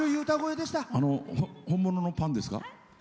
本物のパンですか？